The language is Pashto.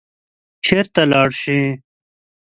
چېرته لاړ شي.